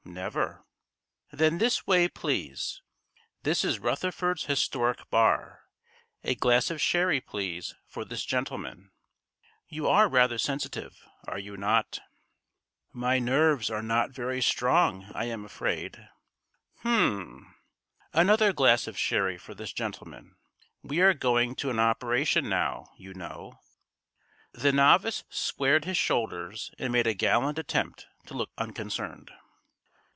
"Never." "Then this way, please. This is Rutherford's historic bar. A glass of sherry, please, for this gentleman. You are rather sensitive, are you not?" "My nerves are not very strong, I am afraid." "Hum! Another glass of sherry for this gentleman. We are going to an operation now, you know." The novice squared his shoulders and made a gallant attempt to look unconcerned.